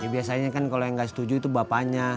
biasanya kan kalo yang ga setuju itu bapanya